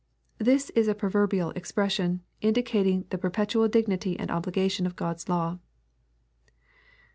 ] This is a proverbial expn?^ sion, indicating the perpetual dignity and obligation of God's law.